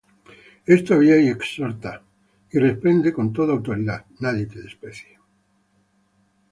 Esto habla y exhorta, y reprende con toda autoridad. Nadie te desprecie.